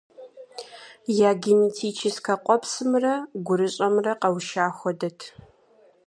Я генетическэ къуэпсымрэ гурыщӏэмрэ къэуша хуэдэт.